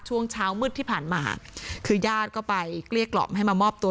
ช่วงเช้ามืดที่ผ่านมาคือญาติก็ไปเกลี้ยกล่อมให้มามอบตัว